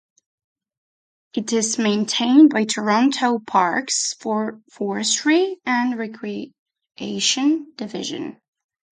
It is maintained by Toronto Parks, Forestry and Recreation Division.